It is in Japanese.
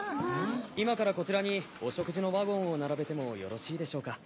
今からこちらにお食事のワゴンを並べてもよろしいでしょうか。